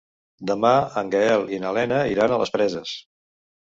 Demà en Gaël i na Lena iran a les Preses.